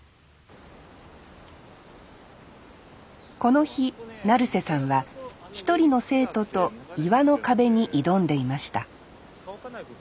この日成瀬さんは一人の生徒と岩の壁に挑んでいました